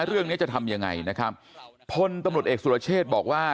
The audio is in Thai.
เรื่องนี้จะทำยังไงนะครับพลตำรวจเอกสุรเชษบอกว่า